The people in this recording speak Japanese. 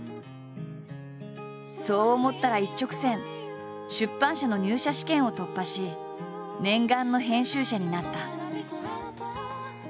そう思ったら一直線出版社の入社試験を突破し念願の編集者になった。